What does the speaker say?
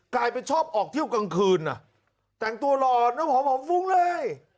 กลายเป็นชอบออกเที่ยวกลางคืนอ่ะแต่งตัวหล่อน้ำหอมฟุ้งเลย